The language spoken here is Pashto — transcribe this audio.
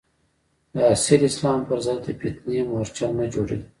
د اصیل اسلام پر ضد د فتنې مورچل نه جوړېدلو.